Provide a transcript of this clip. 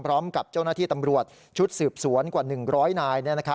พร้อมกับเจ้าหน้าที่ตำรวจชุดสืบสวนกว่า๑๐๐นาย